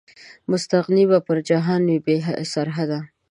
مستغني به پر جهان وي، بې سرحده